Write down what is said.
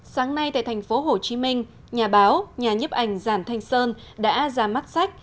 sáng nay tại thành phố hồ chí minh nhà báo nhà nhiếp ảnh giản thanh sơn đã ra mắt sách